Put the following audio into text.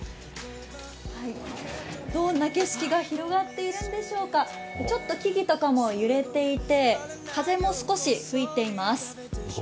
どんな景色が広がっているんでしょうか、ちょっと木々も揺れていて風も少し吹いています。